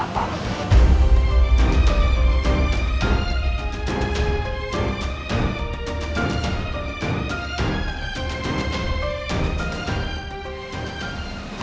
kamu jujur sama papa